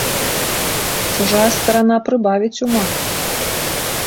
Чужая старана прыбавіць ума!